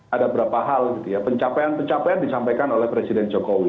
ada berapa hal pencapaian pencapaian disampaikan oleh presiden jokowi